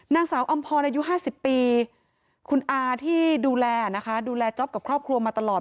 นางสาวอำพอร์ในอายุ๕๐ปีคุณอาที่ดูแลจ๊อบกับครอบครัวมาตลอด